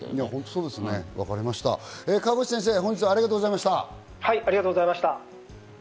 川口先生、本日はありがとうございました。